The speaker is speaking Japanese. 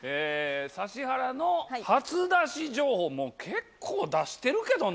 指原の初出し情報、もう結構出してるけどな。